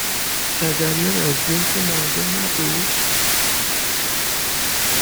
شجریان از جنس مردم نبود